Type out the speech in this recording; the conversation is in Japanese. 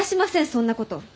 そんなこと。